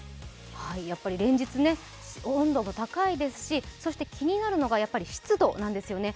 連日温度が高いですしそして気になるのが湿度なんですよね。